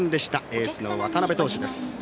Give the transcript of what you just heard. エースの渡辺投手です。